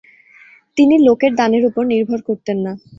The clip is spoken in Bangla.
তিনি লোকের দানের উপর নির্ভর করতেন না।